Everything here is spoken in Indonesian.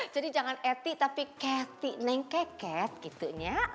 jadi jangan etik tapi cathy neng cathy gitu